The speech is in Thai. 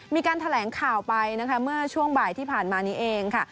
มีการแถลงข่าวไปนะคะเมื่อช่วงบ่ายที่ผ่านมานี้เองค่ะ